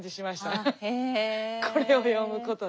アハッこれを読むことで。